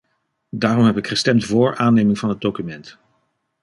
Daarom heb ik gestemd voor aanneming van het document.